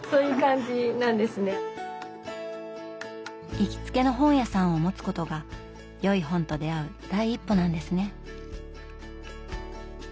行きつけの本屋さんをもつことがよい本と出会う第一歩なんですね。